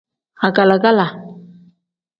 Agala-gala.